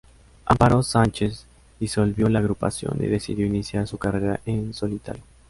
Amparo Sánchez disolvió la agrupación y decidió iniciar su carrera en solitario.